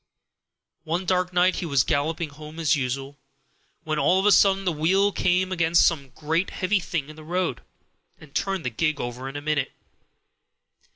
"One dark night he was galloping home as usual, when all of a sudden the wheel came against some great heavy thing in the road, and turned the gig over in a minute.